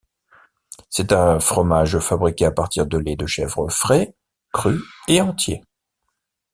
C'est un fromage fabriqué à partir de lait de chèvre frais, cru et entier.